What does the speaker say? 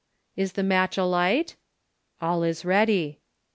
"Is the match alight" "All is ready."